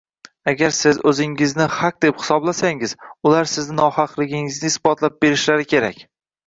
Agar siz oʻzingizni haq deb hisoblasangiz, ular sizni nohaqligingizni isbotlab berishlari kerak.